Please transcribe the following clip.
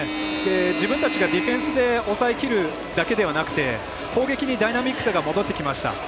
自分たちがディフェンスで抑えきるだけじゃなくて攻撃にダイナミックさが戻ってきました。